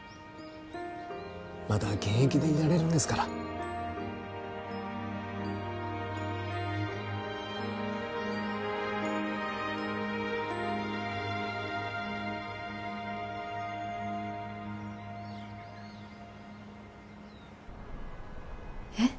まだ現役でいられるんですからえっ？